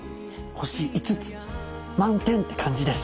星５つ満点って感じです。